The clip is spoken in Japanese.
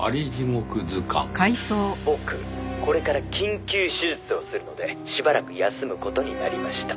「僕これから緊急手術をするのでしばらく休む事になりました」